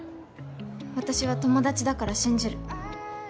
私は友達だから信じる。